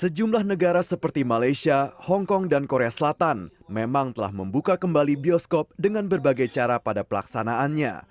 sejumlah negara seperti malaysia hongkong dan korea selatan memang telah membuka kembali bioskop dengan berbagai cara pada pelaksanaannya